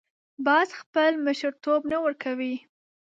باز خپل مشرتوب نه ورکوي